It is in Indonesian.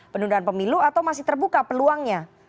penundaan pemilu atau masih terbuka peluangnya